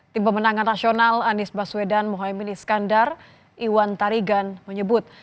tim pemenangan nasional anies baswedan mohaimin iskandar iwan tarigan menyebut